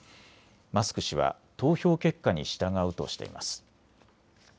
マスク氏は投票結果に従うとしています。